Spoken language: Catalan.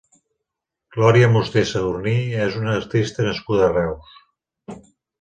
Glòria Musté Sadurní és una artista nascuda a Reus.